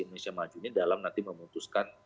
indonesia maju ini dalam nanti memutuskan